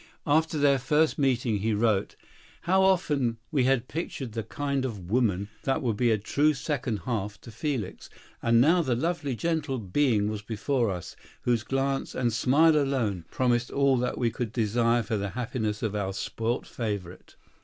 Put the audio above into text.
After their first meeting he wrote: "How often we had pictured the kind of woman that would be a true second half to Felix; and now the lovely, gentle being was before us, whose glance and smile alone promised all that we could desire for the happiness of our spoilt favorite."